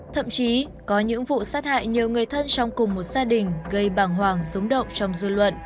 thậm chí có những vụ sát hại nhiều người thân trong cùng một gia đình gây bàng hoàng sống động trong dư luận